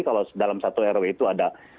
kalau dalam satu rw itu ada